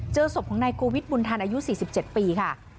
เจอศพของนายโกวิทบุญทันอายุ๔๗ปีค่ะ